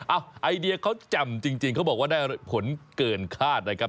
ไอเดียเขาแจ่มจริงเขาบอกว่าได้ผลเกินคาดนะครับ